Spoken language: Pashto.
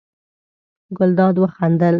ګلداد وخندل.